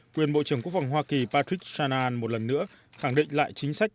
quyền bộ trưởng quốc phòng hoa kỳ patrick shanahan một lần nữa khẳng định lại chính sách